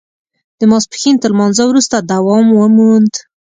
د ماسپښین تر لمانځه وروسته دوام وموند.